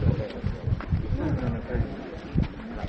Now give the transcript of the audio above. มาทำหน้าที่สื่อครับ